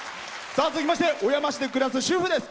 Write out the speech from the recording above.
続きまして小山市に暮らす主婦です。